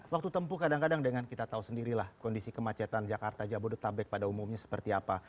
waktu tempuh kadang kadang dengan kita tahu sendirilah kondisi kemacetan jakarta jabodetabek pada umumnya seperti apa